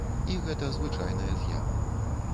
І гэта звычайная з'ява.